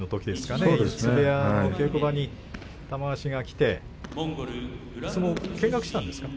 井筒部屋の稽古場に玉鷲が来て見学したんですか。